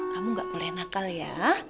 kamu gak boleh nakal ya